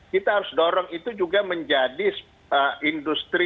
kita harus dorong itu juga menjadi industri